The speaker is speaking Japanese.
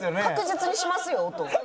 確実にしますよ音。